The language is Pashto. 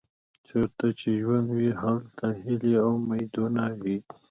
چیرته چې ژوند وي هلته هیلې او امیدونه وي.